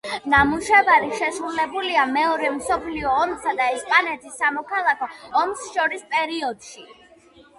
ნამუშევარი შესრულებულია მეორე მსოფლიო ომსა და ესპანეთის სამოქალაქო ომს შორის პერიოდში.